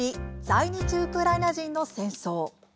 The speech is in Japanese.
在日ウクライナ人の戦争」。